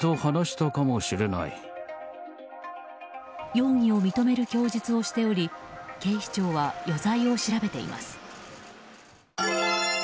容疑を認める供述をしており警視庁は余罪を調べています。